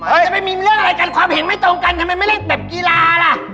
จะไปมีเรื่องอะไรกันความเห็นไม่ตรงกันทำไมไม่เล่นแบบกีฬาล่ะ